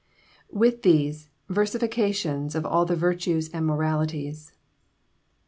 With these, versifications of all the virtues and moralities.